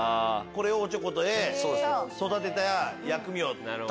これをおちょこで育てた薬味を食べる。